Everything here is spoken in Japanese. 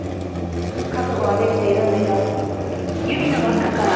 覚悟はできているんでしょ？